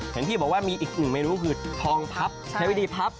เห็นพี่บอกว่ามีอีกอื่นเมนูคือทองพับแทวดีพับ